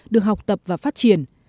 được học tập và phát triển